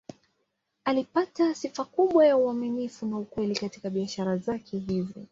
Alipata sifa kubwa ya uaminifu na ukweli katika biashara zake hizi.